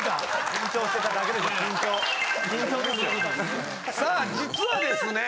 ・緊張してただけでしょ緊張緊張ですよ・さあ実はですね